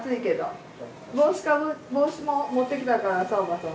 帽子も持ってきたからさ伯母さん。